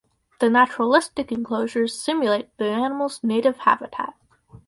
The naturalistic enclosures simulate the animals' native habitat.